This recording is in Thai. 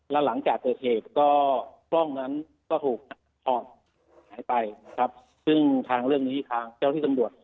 แล้วหลังจากเกิดเหตุก็กล้องนั้นก็ถูกถอดหายไปนะครับซึ่งทางเรื่องนี้ทางเจ้าที่ตำรวจ